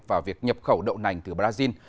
vào việc nhập khẩu đậu nành từ brazil